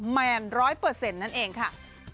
แมนร้อยเปอร์เซ็นต์นั้นเองฮะ